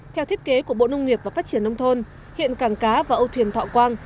theo thiết kế của bộ nông nghiệp và phát triển nông thôn hiện cảng cá và âu thuyền thọ quang